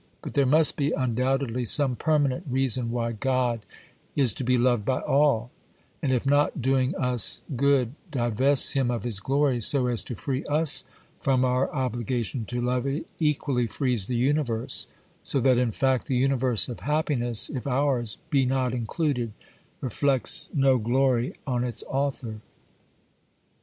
But there must be, undoubtedly, some permanent reason why God is to be loved by all: and if not doing us good divests Him of His glory so as to free us from our obligation to love, it equally frees the universe; so that, in fact, the universe of happiness if ours be not included, reflects no glory on its Author.